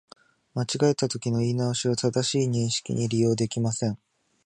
間違えたときの言い直しは、正しい認識に利用できません